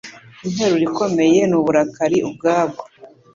interuro ikomeye ni uburakari ubwabwo